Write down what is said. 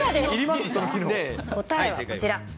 答えはこちら。